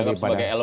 ini tentara adalah